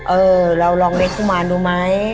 เออเราลองเลี้ยกุมารดูไหม